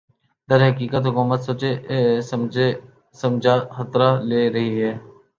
درحقیقت حکومت سوچاسمجھا خطرہ لے رہی ہے